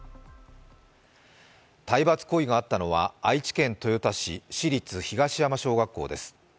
体罰行為があったのは愛知県豊田市市立東山小学校です。